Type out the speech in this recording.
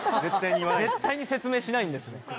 絶対に説明しないんですね